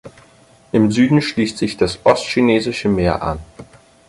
Im Süden schließt sich das Ostchinesische Meer an.